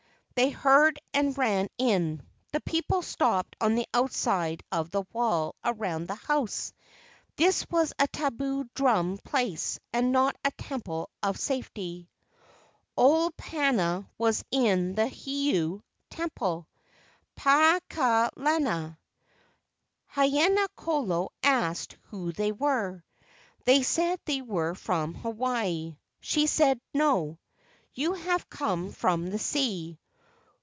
They heard and ran in. The people stopped on the outside of the wall around the house. This was a tabu drum place, and not a temple of safety. Olopana was in the heiau (temple) Pakaa lana. Haina kolo asked who they were. They said they were from Hawaii. She said, "No, you have come from the sea."